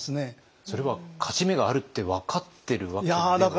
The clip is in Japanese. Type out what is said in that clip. それは勝ち目があるって分かってるわけでは。